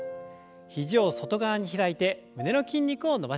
肘を外側に開いて胸の筋肉を伸ばします。